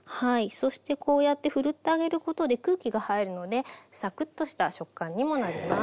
そしてこうやってふるってあげることで空気が入るのでサクッとした食感にもなります。